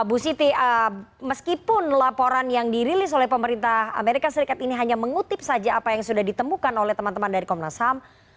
bu siti meskipun laporan yang dirilis oleh pemerintah amerika serikat ini hanya mengutip saja apa yang sudah ditemukan oleh teman teman dari komnas ham